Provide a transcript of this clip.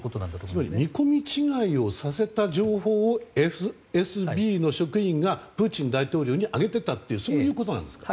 つまり見込み違いをさせた情報をＦＳＢの職員がプーチン大統領に上げていたということなんですか？